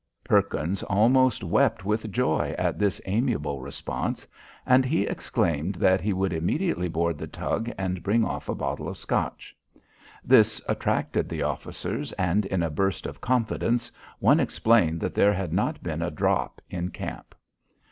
Perkins almost wept with joy at this amiable response, and he exclaimed that he would immediately board the tug and bring off a bottle of Scotch. This attracted the officers, and in a burst of confidence one explained that there had not been a drop in camp.